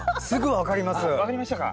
分かりましたか。